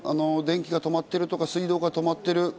電気が止まっているとか水道が止まっている。